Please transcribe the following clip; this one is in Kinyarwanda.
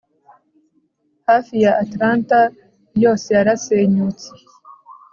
Hafi ya Atlanta yose yarasenyutse